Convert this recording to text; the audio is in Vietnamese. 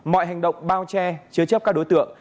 mọi hành động bao che chứa chấp các đối tượng